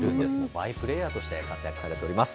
バイプレイヤーとして活躍されております。